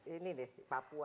ini deh papua